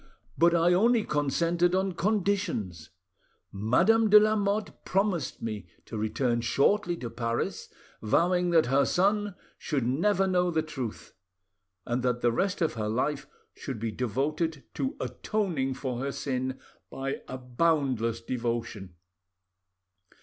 But I only consented on conditions: Madame de Lamotte promised me to return shortly to Paris, vowing that her son should never know the truth, and that the rest of her life should be devoted to atoning for her sin by a boundless devotion.